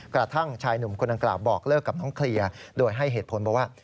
กระทั่งชายหนุ่มคนดังกล่าวบอกเลิกกับน้องเคลียร์โดยให้เหตุผลบอกว่า